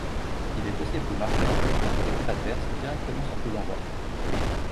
Il est possible de marquer un but contre l'équipe adverse directement sur coup d’envoi.